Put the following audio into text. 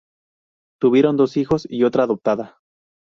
Tuvieron dos hijos y otra adoptada.